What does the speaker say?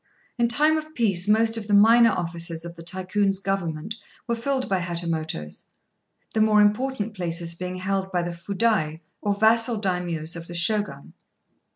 In time of peace most of the minor offices of the Tycoon's government were filled by Hatamotos, the more important places being held by the Fudai, or vassal Daimios of the Shogun.